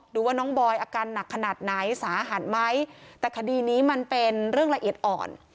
ดูว่าน้องบอยอาการหนักขนาดไหนสาหัสไหมแต่คดีนี้มันเป็นเรื่องละเอียดอ่อน